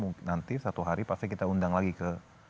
mungkin nanti satu hari pasti kita undang lagi ke